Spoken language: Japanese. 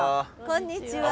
こんにちは。